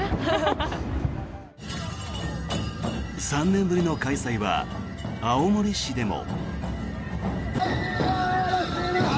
３年ぶりの開催は青森市でも。